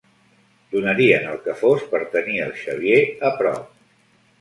Donaria el que fos per tenir el Xavier a prop.